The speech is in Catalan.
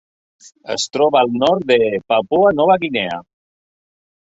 Es troba al nord de Papua Nova Guinea.